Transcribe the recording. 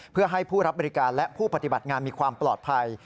เพื่อให้ผู้รับบริการและผู้ปฏิบัติงานมีความปลอดภัย